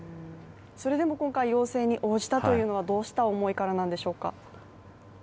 それでも今回要請に応じたというのはどうした思いからなんでしょうか？